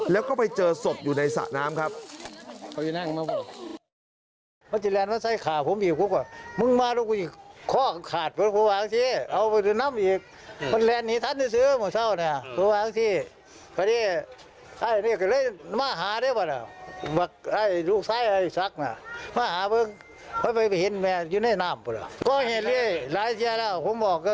แล้วก็ไปเจอศพอยู่ในสระน้ำครับ